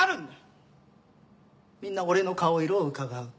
みんな俺の顔色をうかがう。